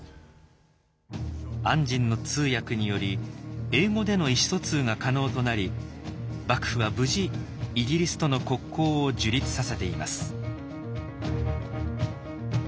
按針の通訳により英語での意思疎通が可能となり幕府は無事イギリスとの国交を樹立させています。